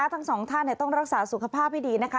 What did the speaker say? ทั้งสองท่านต้องรักษาสุขภาพให้ดีนะคะ